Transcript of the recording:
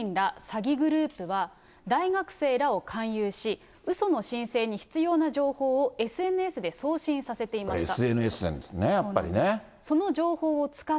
詐欺グループは、大学生らを勧誘し、うその申請に必要な情報をＳＮＳで送信させていました。